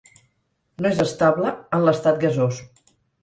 No és estable en l'estat gasós.